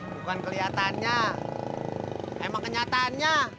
bukan keliatannya emang kenyataannya